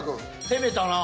攻めたな。